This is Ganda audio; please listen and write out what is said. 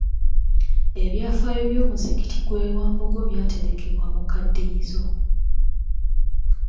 Ebyafaayo by'omuzikiti gwewa Mbogo byaterekebwa mu kkadiyizo.